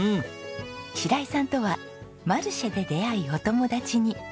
白井さんとはマルシェで出会いお友達に。